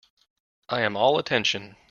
I am all attention.